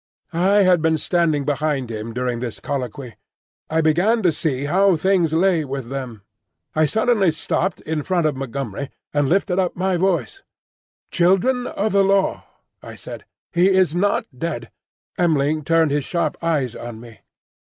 I had been standing behind him during this colloquy. I began to see how things lay with them. I suddenly stepped in front of Montgomery and lifted up my voice:—"Children of the Law," I said, "he is not dead!" M'ling turned his sharp eyes on me.